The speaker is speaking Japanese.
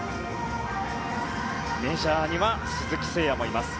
メジャーには鈴木誠也もいます。